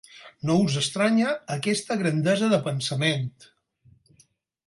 No us estranya aquesta grandesa de pensament